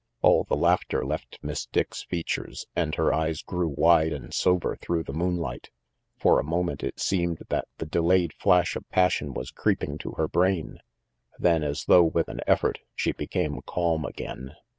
All the laughter left Miss Dick's features, and her eyes grew wide and sober through the moonlight. For a moment it seemed that the delayed flash of passion was creeping to her brain, then, as though with an effort, she became calm again.